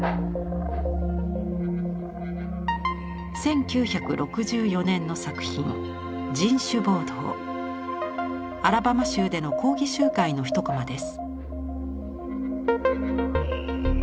１９６４年の作品アラバマ州での抗議集会の一コマです。